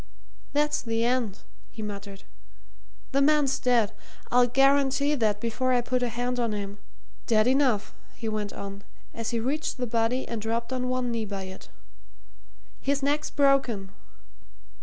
"That's the end!" he muttered. "The man's dead! I'll guarantee that before I put a hand on him. Dead enough!" he went on, as he reached the body and dropped on one knee by it. "His neck's broken."